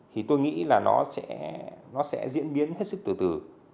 thì tôi nghĩ là nó sẽ diễn biến hết sức từ từ